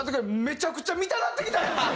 めちゃくちゃ見たなってきたやんけ。